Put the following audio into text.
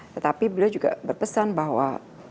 tetapi beliau juga berpesan bahwa